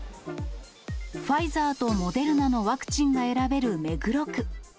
ファイザーとモデルナのワクチンが選べる目黒区。